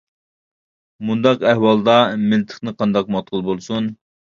مۇنداق ئەھۋالدا مىلتىقنى قانداقمۇ ئاتقىلى بولسۇن.